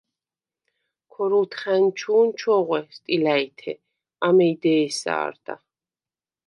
ქორულთხა̈ნჩუ̄ნ ჩოღვე სტილა̈ჲთე, ამეი დე̄სა არდა.